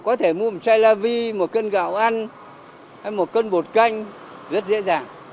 có thể mua một chai la vi một cân gạo ăn hay một cân bột canh rất dễ dàng